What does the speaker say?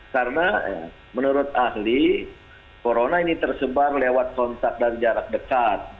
karena menurut ahli corona ini tersebar lewat kontak dari jarak dekat